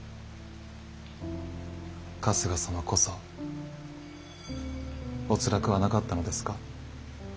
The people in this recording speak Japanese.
春日様こそおつらくはなかったのですか？